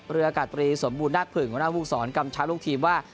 เรืออากาศปรีสมบูรณ์น่าผื่นหัวหน้าภูมิสอนกำชัดลูกทีมว่า